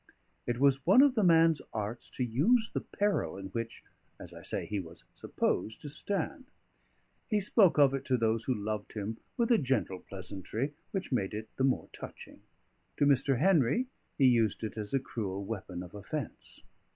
It was one of the man's arts to use the peril in which (as I say) he was supposed to stand. He spoke of it to those who loved him with a gentle pleasantry, which made it the more touching. To Mr. Henry he used it as a cruel weapon of offence.